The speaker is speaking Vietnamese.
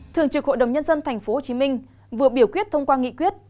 thường trực hội đồng nhân dân tp hcm vừa biểu quyết thông qua nghị quyết